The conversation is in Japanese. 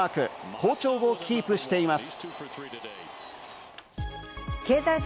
好調をキープしています。